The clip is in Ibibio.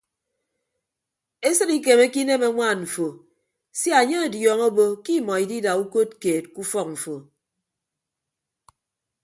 Esịd ikemeke inem añwaan mfo sia anye ọdiọñọ obo ke imọ idida ukod keed ke ufọk mfo.